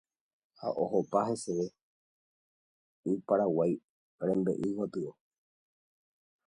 ha ohopa heseve y Paraguái rembe'y gotyo.